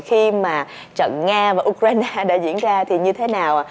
khi mà trận nga và ukraine đã diễn ra thì như thế nào